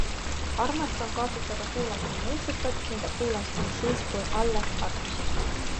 Armastan kaaslasega kuulata muusikat, mida kuulasime siis, kui alles armusime.